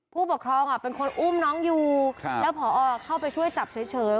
ผู้ปกครองเป็นคนอุ้มน้องอยู่แล้วพอเข้าไปช่วยจับเฉย